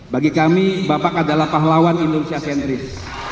bagi kami bapak adalah pahlawan indonesia sentris